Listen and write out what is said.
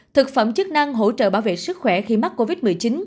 thực phẩm chức năng hỗ trợ bảo vệ sức khỏe khi mắc covid một mươi chín